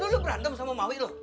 lo berantem sama maui loh